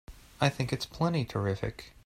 I think it's plenty terrific!